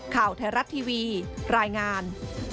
ข่าวไทยรัฐทีวีรายงาน